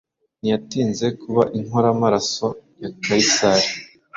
Ntiyatinze kuba inkoramaraso ya Kayisari,